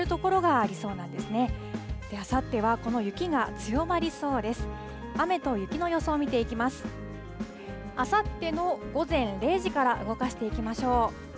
あさっての午前０時から動かしていきましょう。